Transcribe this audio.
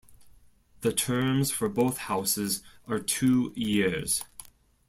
The terms for both houses are two years.